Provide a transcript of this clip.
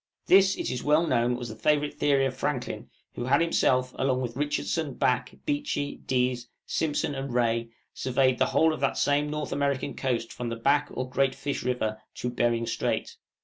This it is well known was the favorite theory of Franklin, who had himself, along with Richardson, Back, Beechey, Dease, Simpson, and Rae, surveyed the whole of that same North American coast from the Back or Great Fish River to Behring Strait.